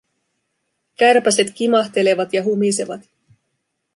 Kärpäset kimahtelevat ja humisevat.